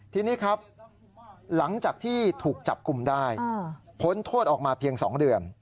ทีนี้ครับหลังจากที่ถูกจับกลุ่มได้พ้นโทษออกมาเพียง๒เดือน